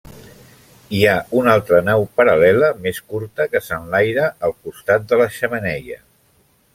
Hi ha una altra nau paral·lela més curta que s'enlaira al costat de la xemeneia.